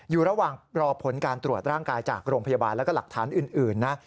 อยู่ระหว่างรอผลการตรวจร่างกายจากโรงพยาบาลแล้วก็หลักฐานอื่นนะ